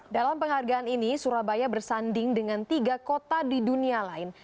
dalam penghargaan ini surabaya bersanding dengan tiga kota di dunia lain